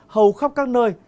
hầu khắp các nơi